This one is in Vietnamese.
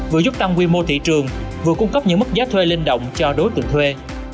vừa giúp tăng quy mô thị trường vừa cung cấp những mức giá thuê linh động cho đối tượng thuê